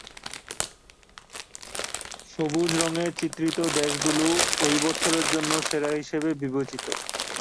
সবুজ রঙে চিত্রিত দেশগুলো ঐ বছরের জন্য সেরা হিসেবে বিবেচিত।